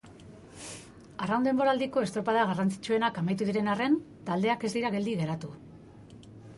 Arraun denboraldiko estropada garrantzitsuenak amaitu diren arren, taldeak ez dira geldi geratu.